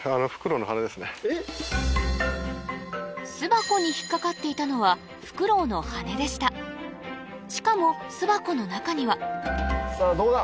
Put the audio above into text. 巣箱に引っ掛かっていたのはフクロウの羽根でしたしかも巣箱の中にはさぁどうだ？